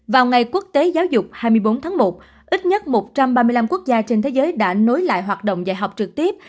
vào ngày quốc tế giáo dục hai mươi bốn tháng một ít nhất một trăm ba mươi năm quốc gia trên thế giới đã nối lại hoạt động dạy học trực tiếp